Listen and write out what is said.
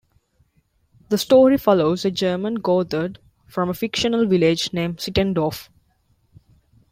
The story follows a German goatherd from a fictional village named Sittendorf.